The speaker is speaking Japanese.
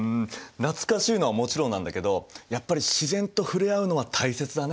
懐かしいのはもちろんなんだけどやっぱり自然と触れ合うのは大切だね。